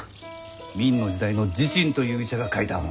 明の時代の時珍という医者が書いた本。